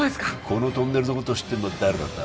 このトンネルのことを知ってるのは誰だった？